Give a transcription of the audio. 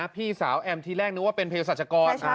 พี่สาวแอมทีแรกนึกว่าเป็นเพศรัชกร